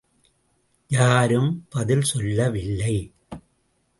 யாரும் பதில் சொல்லவில்லை.